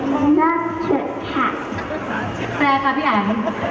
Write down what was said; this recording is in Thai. แปลกับพี่อัย